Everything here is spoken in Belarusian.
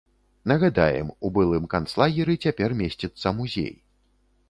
Нагадаем, у былым канцлагеры цяпер месціцца музей.